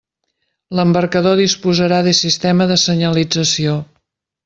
L'embarcador disposarà de sistema de senyalització.